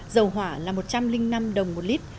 dầu hỏa là một trăm linh năm đồng một lít